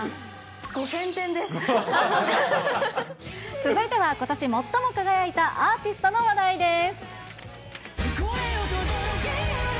続いては、ことし最も輝いたアーティストの話題です。